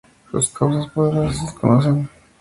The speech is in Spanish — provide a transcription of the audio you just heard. Sus causas por ahora se desconocen.